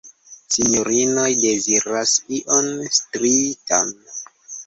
Sinjorinoj deziras ion striitan!